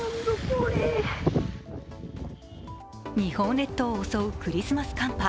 日本列島を襲うクリスマス寒波。